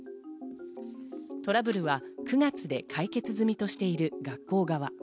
トラブルは９月で解決済みとしている学校側。